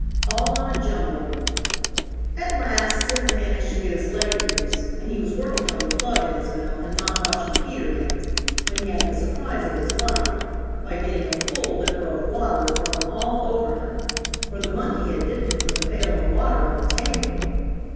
all in a jumble. At last Zip managed to get his leg loose and he was working on the plug in his mouth and not watching Peter Kins when he had the surprise of his life by getting a full dipper of water thrown all over him, for the monkey had dipped it from the pail of water on the table.